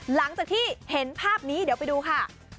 หลังจากที่เห็นภาพนี้เดี๋ยวไปดูค่ะ